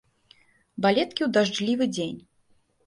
Балеткі ў дажджлівы дзень.